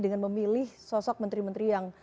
dengan memilih sosok menteri menteri yang